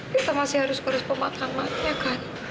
kita masih harus terus pemakamannya kan